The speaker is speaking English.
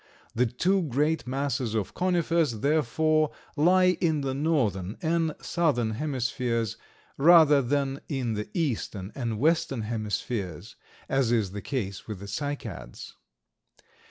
The two great masses of Conifers, therefore, lie in the northern and southern hemispheres, rather than in the eastern and western hemispheres, as is the case with the Cycads.